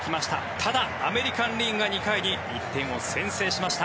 ただ、アメリカン・リーグが２回に１点を先制しました。